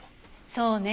そうね。